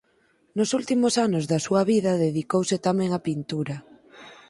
Nos últimos anos da súa vida dedicouse tamén á pintura.